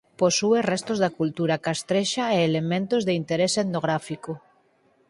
Posúe restos da cultura castrexa e elementos de interese etnográfico.